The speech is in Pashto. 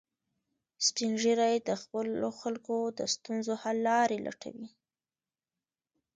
سپین ږیری د خپلو خلکو د ستونزو حل لارې لټوي